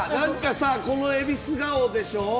このえびす顔でしょ？